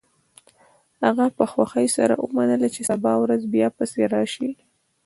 هغه په خوښۍ سره ومنله چې سبا ورځ بیا پسې راشي